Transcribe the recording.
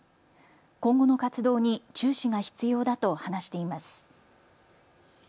今後の活動に注視が必要だと話しています。